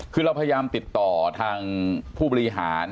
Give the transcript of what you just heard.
คือเราพยายามติดต่อทางผู้บริหาร